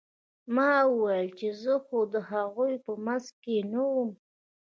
ما وويل چې زه خو د هغوى په منځ کښې نه وم.